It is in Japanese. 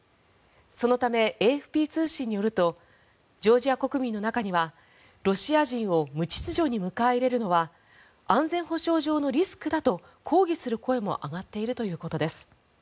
そのため、ＡＦＰ通信によるとジョージア国民の中にはロシア人を無秩序に迎え入れるのは安全保障上のリスクだと抗議する声も上がっているということです。